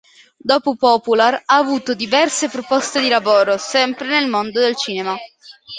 Dopo "Popular" ha avuto diverse proposte di lavoro, sempre nel mondo del cinema.